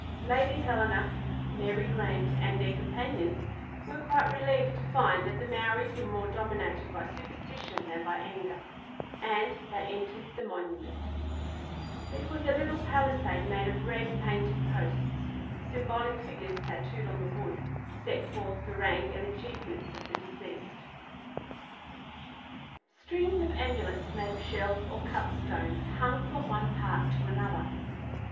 Lady Helena, Mary Grant, and their companions were quite relieved to find that the Maories were more dominated by superstition than by anger, and they entered the monument. It was a palisade made of red painted posts. Symbolic figures, tattooed on the wood, set forth the rank and achievements of the deceased. Strings of amulets, made of shells or cut stones, hung from one part to another.